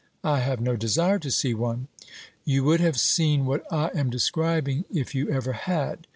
'I have no desire to see one.' You would have seen what I am describing, if you ever had.